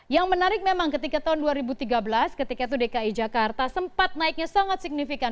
yang menarik memang ketika tahun dua ribu tiga belas ketika itu dki jakarta sempat naiknya sangat signifikan